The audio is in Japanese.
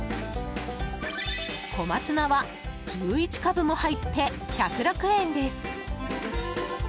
小松菜は、１１株も入って１０６円です。